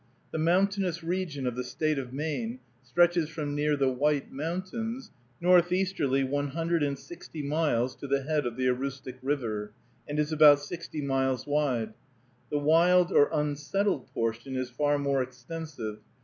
The mountainous region of the State of Maine stretches from near the White Mountains, northeasterly one hundred and sixty miles, to the head of the Aroostook River, and is about sixty miles wide. The wild or unsettled portion is far more extensive.